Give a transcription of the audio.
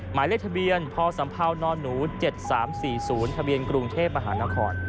หมายเลขทะเบียนพศนหนู๗๓๔๐ทะเบียนกรุงเทพมหานคร